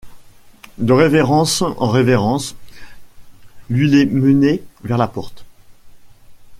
De révérence en révérence, lui les menait vers la porte.